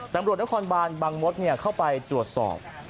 ตำรวจและความบ้านบางมศเข้าไปจวดสอบ